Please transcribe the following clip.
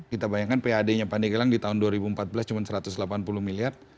kita bayangkan pad nya pandegelang di tahun dua ribu empat belas cuma satu ratus delapan puluh miliar